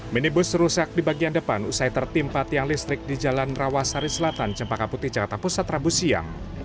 minibus rusak di bagian depan usai tertimpa tiang listrik di jalan rawasari selatan cempaka putih jakarta pusat rabu siang